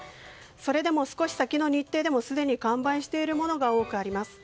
それでも少し先の日程でもすでに完売しているものが多くあります。